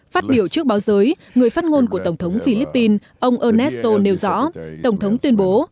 phát biểu trước báo giới người phát ngôn của tổng thống philippines ông unesto nêu rõ tổng thống tuyên bố